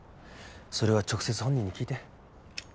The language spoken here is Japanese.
それは直接本人に聞いて。